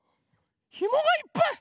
ひもがいっぱい！